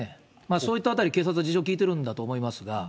そういったあたり、警察は事情を聴いてるんだと思いますが。